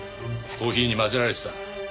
コーヒーに混ぜられてた。